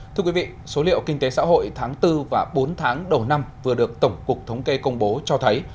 thưa quý vị số liệu kinh tế xã hội tháng bốn và bốn tháng đầu năm vừa được tổng cục thống kê công bố cho thấy